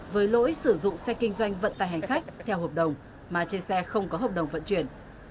với lỗi sử dụng xe kinh doanh vận tài hành khách theo hợp đồng mà trên xe không có hợp đồng vận chuyển